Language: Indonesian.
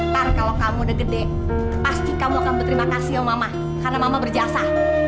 ntar kalau kamu udah gede pasti kamu akan berterima kasih sama mama karena mama berjasa